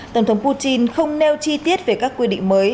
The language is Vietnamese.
tổng thống putin không nêu chi tiết về các quy định mới